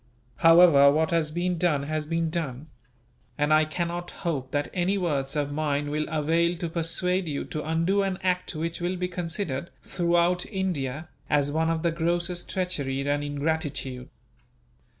However, what has been done has been done; and I cannot hope that any words of mine will avail to persuade you to undo an act which will be considered, throughout India, as one of the grossest treachery and ingratitude.